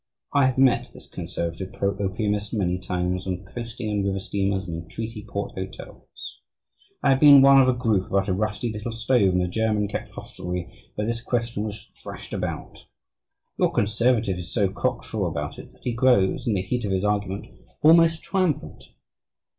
I have met this "conservative" pro opiumist many times on coasting and river steamers and in treaty port hotels. I have been one of a group about a rusty little stove in a German kept hostelry where this question was thrashed out. Your "conservative" is so cock sure about it that he grows, in the heat of his argument, almost triumphant.